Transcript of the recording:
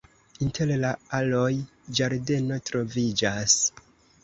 Inter la aloj ĝardeno troviĝas.